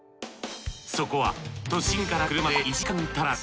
そこは都心から車で１時間足らず。